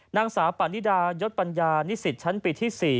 นางสาวปานิดายศปัญญานิสิตชั้นปีที่๔